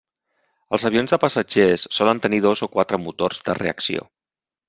Els avions de passatgers solen tenir dos o quatre motors de reacció.